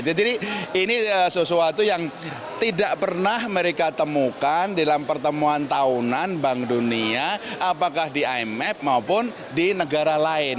jadi ini sesuatu yang tidak pernah mereka temukan dalam pertemuan tahunan bank dunia apakah di imf maupun di negara lain